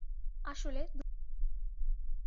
আসলে, দুইবার করেছিলে!